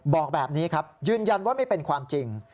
บอกแบบนี้ครับยืนยันว่าไม่เป็นความจริง